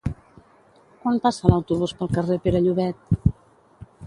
Quan passa l'autobús pel carrer Pere Llobet?